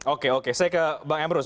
oke oke saya ke bang emrus